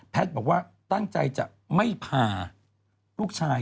บอกว่าตั้งใจจะไม่พาลูกชาย